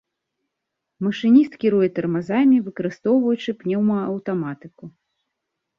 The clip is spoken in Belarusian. Машыніст кіруе тармазамі, выкарыстоўваючы пнеўмааўтаматыку.